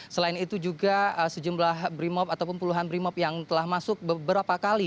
selain itu juga sejumlah brimob ataupun puluhan brimob yang telah masuk beberapa kali